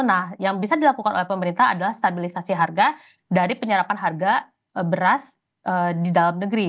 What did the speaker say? nah yang bisa dilakukan oleh pemerintah adalah stabilisasi harga dari penyerapan harga beras di dalam negeri